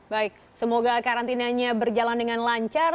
baik semoga karantinanya berjalan dengan lancar